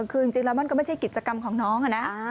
คือจริงแล้วมันก็ไม่ใช่กิจกรรมของน้องอะนะ